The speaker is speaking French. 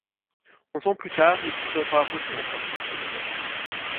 Onze ans plus tard, il sera rejoint par son frère John.